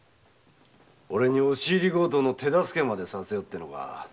俺に押し入り強盗の手助けまでさせようってのか。